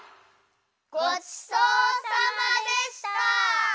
ごちそうさまでした！